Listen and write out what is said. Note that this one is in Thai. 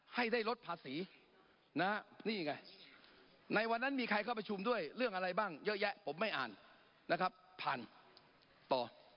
ให้ได้ลดภาษีนะนี่ไงในวันนั้นมีใครเข้าประชุมด้วยเรื่องอะไรบ้างเยอะแยะผมไม่อ่านนะครับผ่านต่อ